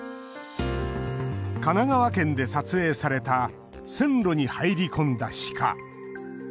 神奈川県で撮影された線路に入り込んだシカ。